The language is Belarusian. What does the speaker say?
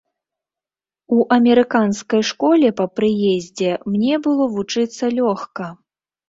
У амерыканскай школе па прыездзе мне было вучыцца лёгка.